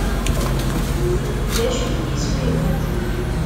D acu-t yiswi-nwent?